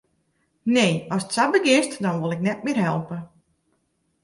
Nee, ast sa begjinst, dan wol ik net mear helpe.